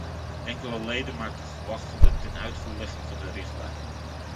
Enkele leden maakten gewag van de tenuitvoerlegging van de richtlijn.